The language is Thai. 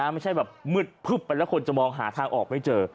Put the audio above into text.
ไม่ใช่แบบมืดพึบไปแล้วคนจะมองหาทางออกไม่เจอ